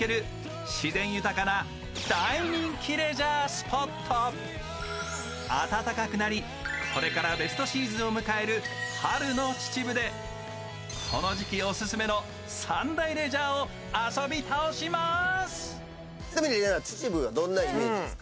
スタートですあたたかくなりこれからベストシーズンを迎える春の秩父でこの時期オススメの３大レジャーを遊び倒します。